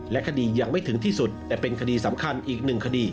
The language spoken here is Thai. และคดียังไม่ถึงที่สุดแต่เป็นคดีสำคัญอีกหนึ่งคดี